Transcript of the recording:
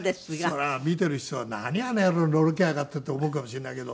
そら見ている人は何あの野郎のろけやがってって思うかもしれないけど。